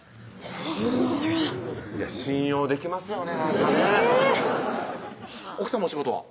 はぁ信用できますよねなんかね奥さまお仕事は？